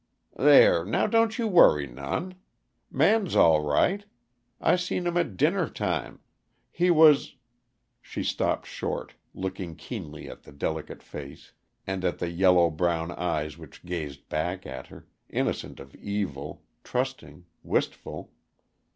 "There, now, don't you worry none. Man's all right; I seen him at dinner time. He was " She stopped short, looked keenly at the delicate face, and at the yellow brown eyes which gazed back at her, innocent of evil, trusting, wistful.